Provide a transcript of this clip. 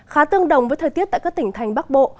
khá tương đồng với thời tiết tại các tỉnh thành bắc bộ